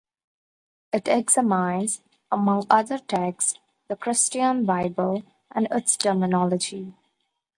It examines, among other texts, the Christian bible and its terminology.